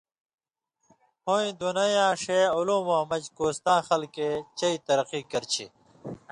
ہُویں دُنَیں یاں ݜے عُلُومؤں مژ کوستاں خلکے چئ ترقی کرچھی۔